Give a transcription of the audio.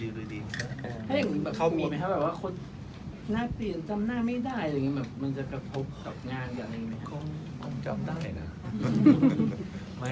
แต่ถ้าเรามีการดูแลเรื่อย